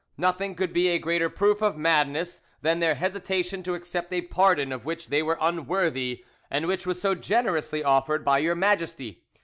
Nothing could be a greater proof of madness than their hesitation to accept a pardon of which they were unworthy, and which was so generously offered by your Majesty.